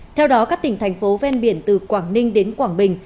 theo đó các tỉnh thành phố ven biển từ quảng ninh đến quảng bình